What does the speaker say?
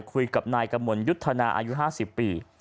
คุยกับนายกมลยุทธนาอายุ๕๐ปี